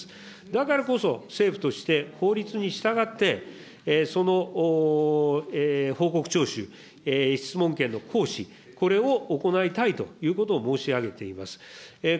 だからこそ、政府として法律に従って、その報告徴収、質問権の行使、これを行いたいということを申し上げています。